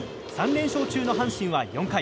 ３連勝中の阪神は４回。